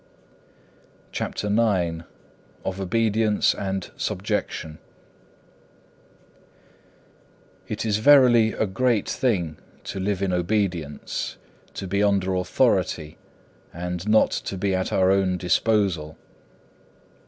CHAPTER IX Of Obedience and Subjection It is verily a great thing to live in obedience, to be under authority, and not to be at our own disposal.